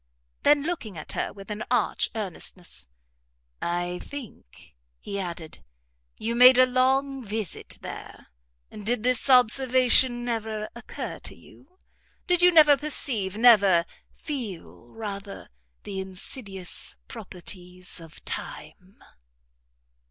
Then looking at her with an arch earnestness, "I think," he added, "you made a long visit there; did this observation never occur to you? did you never perceive, never feel, rather, the insidious properties of time?"